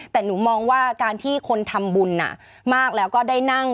แต่หนูมองว่าการที่คนทำบุญมากแล้วก็ได้นั่ง